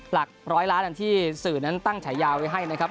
หลักร้อยล้านอันที่สื่อนั้นตั้งฉายาไว้ให้นะครับ